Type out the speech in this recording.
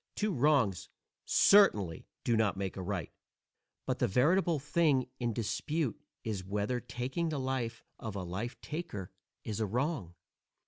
_ Two wrongs certainly do not make a right, but the veritable thing in dispute is whether taking the life of a life taker is a wrong.